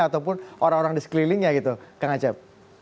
ataupun orang orang di sekelilingnya gitu kang acep